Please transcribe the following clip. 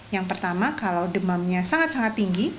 yang pertama kalau demamnya sangat sangat tinggi